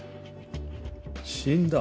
死んだ？